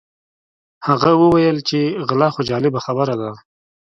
هغه وویل چې غلا خو جالبه خبره ده.